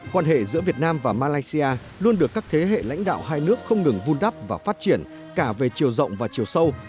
quan hệ giữa việt nam và malaysia luôn được các thế hệ lãnh đạo hai nước không ngừng vun đắp và phát triển cả về chiều rộng và chiều sâu